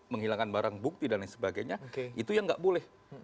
menghilangkan barang bukti dan lain sebagainya itu yang nggak boleh